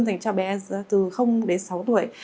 dành cho bé từ đến sáu tuổi